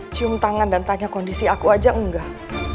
cium tangan dan tanya kondisi aku aja enggak